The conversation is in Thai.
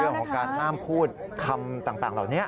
เรื่องของการห้ามพูดคำต่างเหล่านี้